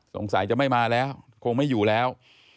สงสัยจะไม่มาแล้วคงไม่อยู่แล้ว